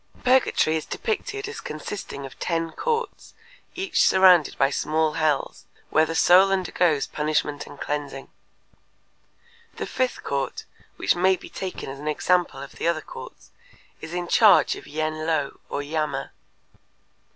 Purgatory is depicted as consisting of ten courts each surrounded by small hells, where the soul undergoes punishment and cleansing. The fifth court, which may be taken as an example of the other courts, is in charge of Yen Lo or Yama.